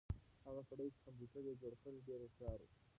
هغه سړی چې کمپیوټر یې جوړ کړ ډېر هوښیار و.